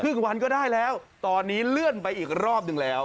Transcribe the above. วันก็ได้แล้วตอนนี้เลื่อนไปอีกรอบหนึ่งแล้ว